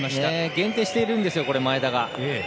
限定しているんです前田が。